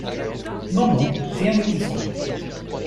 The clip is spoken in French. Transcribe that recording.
Non, non, rien de tout ça.